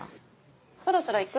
そろそろ行く？